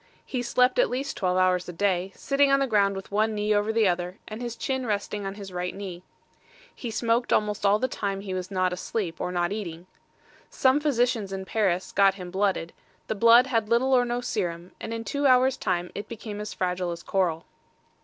He slept at least twelve hours a day, sitting on the ground with one knee over the other, and his chin resting on his right knee. He smoked almost all the time he was not asleep or not eating. Some physicians at Paris got him blooded; the blood had little or no serum, and in two hours time it became as fragile as coral.